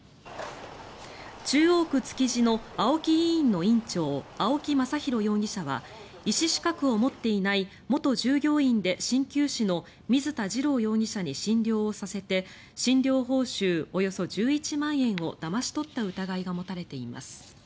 中央区築地の青木医院の院長青木正浩容疑者は医師資格を持っていない元従業員で鍼灸師の水田治良容疑者に診療をさせて診療報酬およそ１１万円をだまし取った疑いが持たれています。